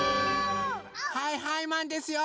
はいはいマンですよ！